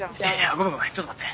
ごめんごめんちょっと待って。